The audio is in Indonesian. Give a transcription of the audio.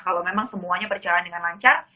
kalau memang semuanya berjalan dengan lancar